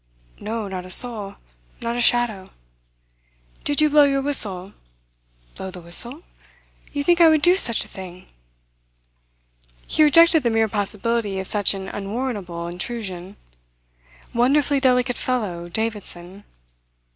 "No, not a soul. Not a shadow." "Did you blow your whistle?" "Blow the whistle? You think I would do such a thing?" He rejected the mere possibility of such an unwarrantable intrusion. Wonderfully delicate fellow, Davidson!